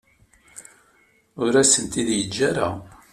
Ur asen-t-id-yeǧǧa ara.